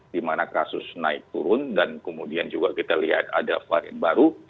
di mana kasus naik turun dan kemudian juga kita lihat ada varian baru